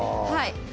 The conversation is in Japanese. はい。